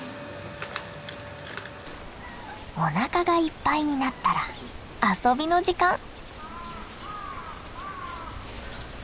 おなかがいっぱいになったら遊びの時間。